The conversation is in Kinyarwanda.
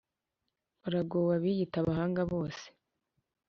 Baragowe! Abiyita abahanga bose